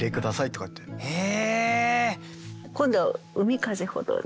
今度「海風ほどに」。